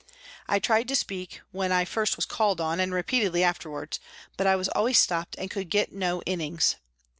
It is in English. I tried to speak, when I first was called on, and repeatedly afterwards, but I was always stopped and could get no innings.